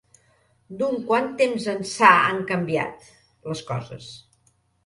D'un quant temps ençà han canviat, les coses.